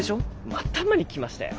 頭に来ましたよ。